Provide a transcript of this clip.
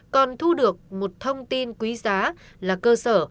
còn thu được một thông tin quý giá là cơ sở